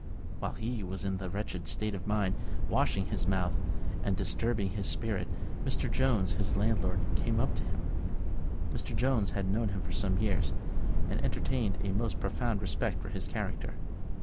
While he was in this wretched state of mind, washing his mouth, and disturbing his spirit, Mr. Jones, his landlord, came up to him. Mr. Jones had known him for some years, and entertained a most profound respect for his character.